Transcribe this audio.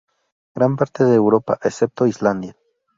Gran parte de Europa, excepto Islandia.